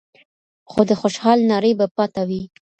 خو د خوشال نارې به پاته وي